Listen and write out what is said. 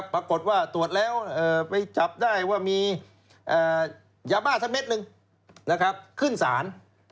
ปรากฏว่าตรวจแล้วไปจับได้ว่ามียาบ้าสักเม็ดหนึ่งขึ้นศาล